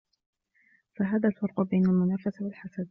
فَهَذَا الْفَرْقُ بَيْنَ الْمُنَافَسَةِ وَالْحَسَدِ